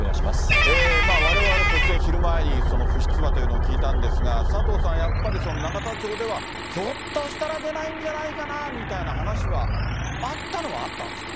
われわれ、突然昼前に不出馬というのを聞いたんですが、佐藤さん、やっぱり永田町ではひょっとしたら出ないんじゃないかなみたいな話はあったのはあったんですか？